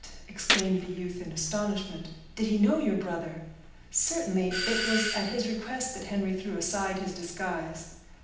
exclaimed the youth in astonishment. "Did he know your brother?" "Certainly; it was at his request that Henry threw aside his disguise."